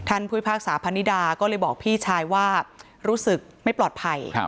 ผู้พิพากษาพนิดาก็เลยบอกพี่ชายว่ารู้สึกไม่ปลอดภัย